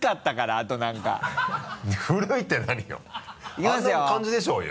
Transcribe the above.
あんな感じでしょうよ